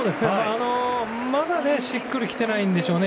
まだしっくりきていないんでしょうね。